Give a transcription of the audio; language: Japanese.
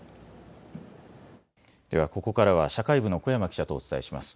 ではここからは社会部の小山記者とお伝えします。